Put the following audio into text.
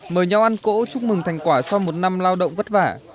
mời nhau ăn cỗ chúc mừng thành quả sau một năm lao động vất vả